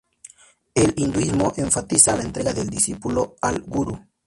El hinduismo enfatiza la entrega del discípulo al gurú.